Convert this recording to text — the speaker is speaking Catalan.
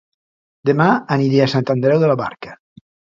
Dema aniré a Sant Andreu de la Barca